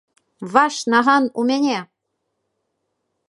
Ваш наган у мяне!